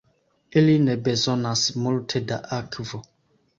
Ili ne bezonas multe da akvo.